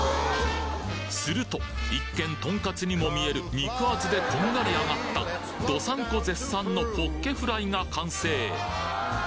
すると一見とんかつにも見える肉厚でこんがりあがった道産子絶賛のホッケフライか完成！